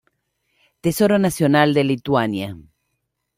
Tesoro Nacional de Lituania.